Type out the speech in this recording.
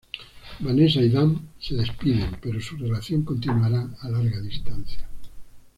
Vanessa y Dan se despiden, pero su relación continuará a larga distancia.